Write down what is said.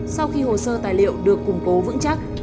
sau khi hồ sơ tài liệu được củng cố vững chắc